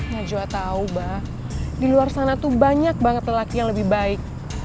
najwa tahu bah di luar sana banyak banget laki laki yang lebih baik